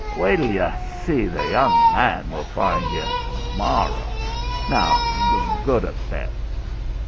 Wait t'l y'see the young man we'll find y' t'morro'. Now go t'bed."